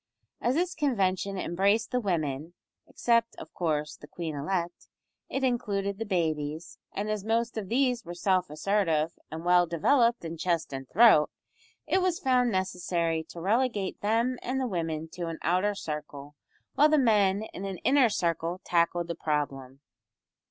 As this convention embraced the women (except, of course, the queen elect), it included the babies, and as most of these were self assertive and well developed in chest and throat, it was found necessary to relegate them and the women to an outer circle, while the men in an inner circle tackled the problem.